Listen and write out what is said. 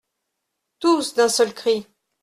Tous, d'un seul cri.